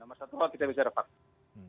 nomor satu kalau kita bicara fakta